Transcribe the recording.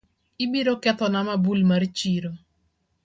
Ibiro kethona mabul mar chiro